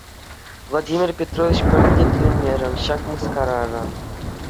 Владимир Петрович пӗртте тӗлӗнмерӗ ҫак мыскараран.